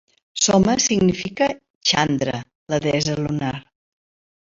"Soma" significa "Chandra", la deessa lunar.